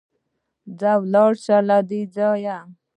ځه ولاړ شه له دې ځايه!